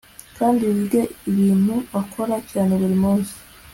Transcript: Kandi wige ibintu akora cyane buri munsi